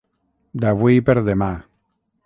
D'avui per demà.